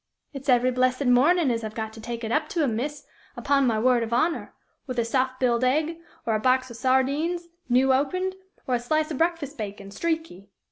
"It's every blessed mornin' as I've got to take it up to 'em, miss, upon my word of honor, with a soft biled egg, or a box o' sardines, new opened, or a slice o' breakfast bacon, streaky.